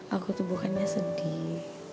aku tuh bukannya sedih